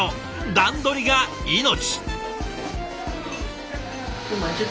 段取りが命！